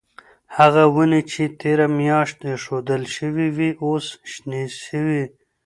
هغه ونې چې تیره میاشت ایښودل شوې وې اوس شنې شوې.